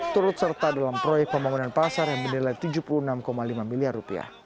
turut serta dalam proyek pembangunan pasar yang bernilai rp tujuh puluh enam lima miliar